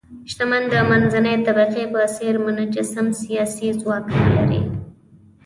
شتمن د منځنۍ طبقې په څېر منسجم سیاسي ځواک نه لري.